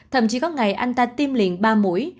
thậm chí có ngày anh ta tiêm liền ba mũi